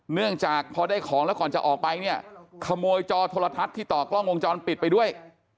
เนื่องจากพอได้ของแล้วก่อนจะออกไปเนี่ยขโมยจอโทรทัศน์ที่ต่อกล้องวงจรปิดไปด้วย